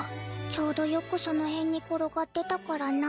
ちょうどよくその辺に転がってたからな。